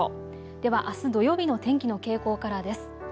では、あす土曜日の天気の傾向からです。